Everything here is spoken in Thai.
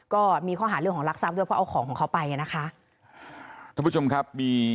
ก็มีข้อหาเรื่องของลักษัพด้วยเพราะเอาของของเขาไปนะครับ